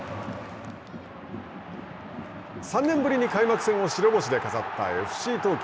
３年ぶりに開幕戦を白星で飾ったＦＣ東京。